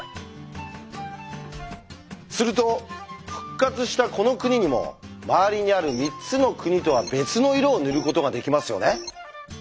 すると復活したこの国にも周りにある３つの国とは別の色を塗ることができますよね。